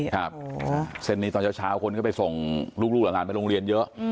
ครับเส้นนี้ตอนเช้าคนก็ไปส่งลูกหลานไปโรงเรียนเยอะ